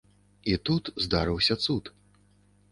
І тут здарыўся цуд.